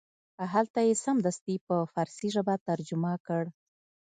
هلته یې سمدستي په فارسي ژبه ترجمه کړ.